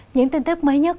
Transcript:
những tin tức mới nhất